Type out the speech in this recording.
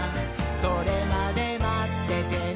「それまでまっててねー！」